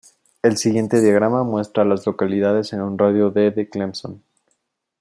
El siguiente diagrama muestra a las localidades en un radio de de Clemson.